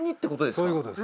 そういうことです